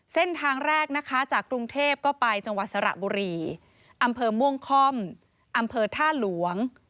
เส้นทางแรกนะคะจากกรุงเทพก็ไปจังหวัดสระบุรีอำเภอม่วงค่อมอำเภอท่าหลวง